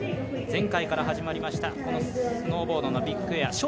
前回から始まりましたスノーボードのビッグエア。